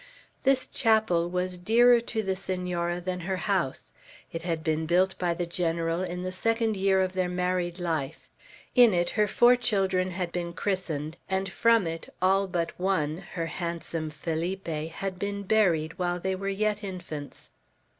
This chapel was dearer to the Senora than her house. It had been built by the General in the second year of their married life. In it her four children had been christened, and from it all but one, her handsome Felipe, had been buried while they were yet infants.